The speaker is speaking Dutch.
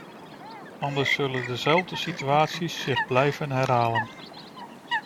Anders zullen dezelfde situaties zich blijven herhalen.